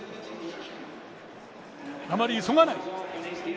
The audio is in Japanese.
あまり急がない。